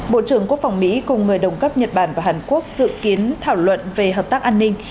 bộ trưởng quốc phòng mỹ cùng người đồng cấp nhật bản và hàn quốc dự kiến thảo luận về hợp tác an ninh